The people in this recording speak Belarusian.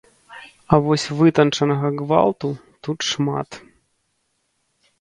А вось вытанчанага гвалту тут шмат.